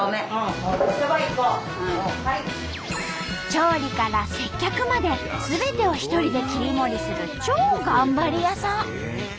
調理から接客まですべてを一人で切り盛りする超頑張り屋さん！